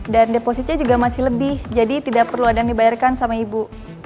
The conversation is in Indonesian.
dan depositnya juga masih lebih jadi tidak perlu ada yang dibayarkan sama ibu